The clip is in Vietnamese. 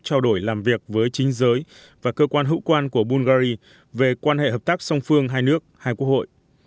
trao đổi làm việc với chính giới và cơ quan hữu quan của bungary về quan hệ hợp tác song phương hai nước hai quốc hội